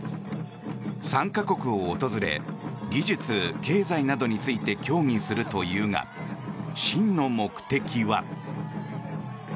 ３か国を訪れ技術、経済などについて協議するというが真の目的は。